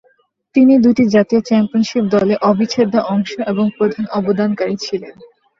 তিনি দুটি জাতীয় চ্যাম্পিয়নশিপ দলের অবিচ্ছেদ্য অংশ এবং প্রধান অবদানকারী ছিলেন।